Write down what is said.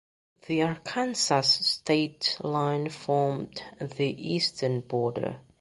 The Arkansas state line formed the eastern border.